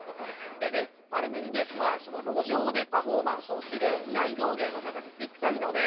でねパルメニデスは路上でパフォーマンスをする大道芸の方にぴったりのね